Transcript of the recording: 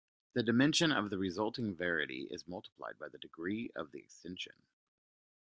The dimension of the resulting variety is multiplied by the degree of the extension.